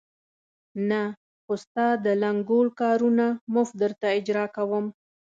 نه، خو ستا د لنګول کارونه مفت درته اجرا کوم.